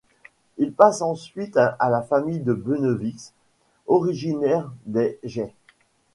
Il passe ensuite à la famille de Benevix, originaire des Gets.